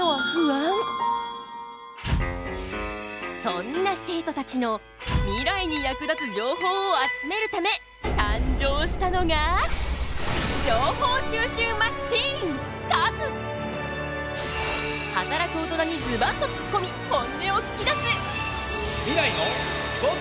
そんな生徒たちのミライに役立つ情報を集めるため誕生したのが働く大人にズバッとつっこみ本音を聞きだす！